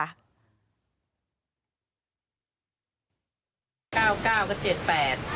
เป็นเลขอะไรครับ